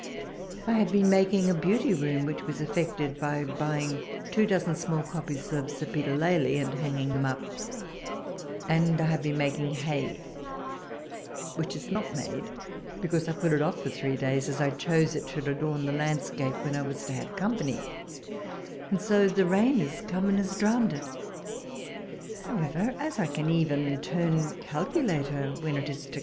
I have been making a Beauty Room, which was effected by buying two dozen of small copies of Sir Peter Lely, and hanging them up : and I have been making hay, which is not made, because I put it off for three days, as I chose it should adorn the landscape when I was to have company ; and so the rain is come, and has drowned it. How ever, as I can even turn calculator when it is to 160 walpole's letters.